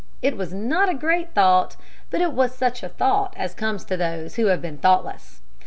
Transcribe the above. It was not a great thought, but it was such a thought as comes to those who have been thoughtless.